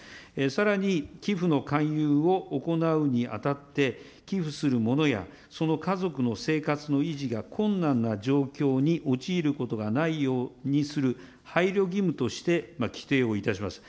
さらに、寄付の勧誘を行うにあたって、寄付するものや、その家族の生活の維持が困難な状況に陥ることがないようにする配慮義務として規定をいたします。